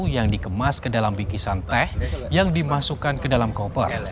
yang dikemas ke dalam bikisan teh yang dimasukkan ke dalam koper